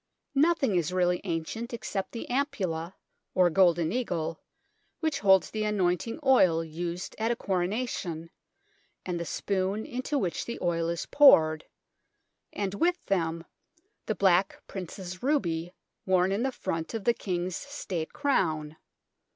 Nothing is really ancient except the Am pulla, or Golden Eagle, which holds the anointing oil used at a Coronation, and the Spoon into which the oil is poured, and with them the Black Prince's ruby worn in the front of the King's State Crown.